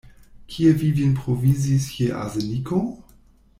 Kie vi vin provizis je arseniko?